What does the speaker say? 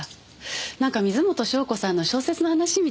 なんか水元湘子さんの小説の話みたいですね。